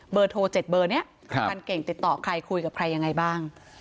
เบอร์โทรศัพท์๗เบอร์เนี่ยพรรณเก่งติดต่อใครคุยกับใครยังไงบ้าง